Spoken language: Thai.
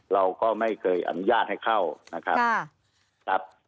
เราก็ไม่เคยอนุญาตให้เข้านะครับ